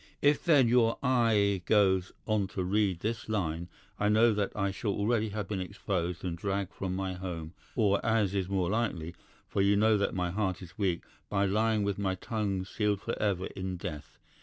"'If then your eye goes on to read this line, I know that I shall already have been exposed and dragged from my home, or as is more likely, for you know that my heart is weak, by lying with my tongue sealed forever in death.